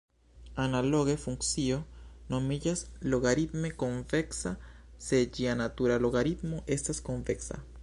Analoge, funkcio nomiĝas logaritme konveksa se ĝia natura logaritmo estas konveksa.